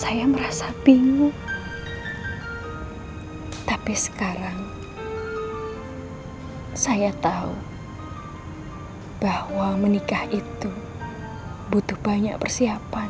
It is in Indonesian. saya merasa bingung tapi sekarang saya tahu bahwa menikah itu butuh banyak persiapan